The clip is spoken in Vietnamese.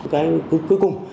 cái cuối cùng